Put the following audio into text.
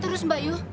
terus mbak yu